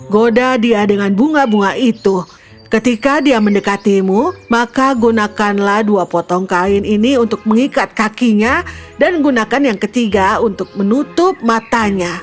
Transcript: goda dia dengan bunga bunga itu ketika dia mendekatimu maka gunakanlah dua potong kain ini untuk mengikat kakinya dan gunakan yang ketiga untuk menutup matanya